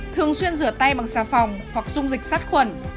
thường xuyên rửa tay bằng xà phòng hoặc dung dịch sát khuẩn